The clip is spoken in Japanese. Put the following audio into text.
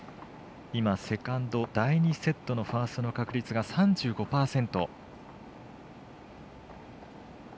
セカンド第２セットのファーストの確率が３５％。